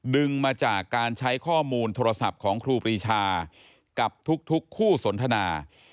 มาจากการใช้ข้อมูลโทรศัพท์ของครูปรีชากับทุกคู่สนทนา